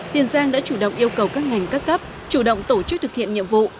tiền giang đã chủ động yêu cầu các ngành các cấp chủ động tổ chức thực hiện nhiệm vụ